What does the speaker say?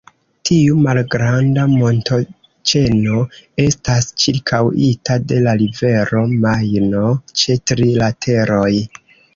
Tiu malgranda montoĉeno estas ĉirkaŭita de la rivero Majno ĉe tri lateroj.